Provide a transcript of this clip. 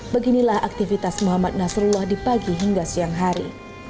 beginilah aktivitas muhammad nasrullah di pagi hingga siang hari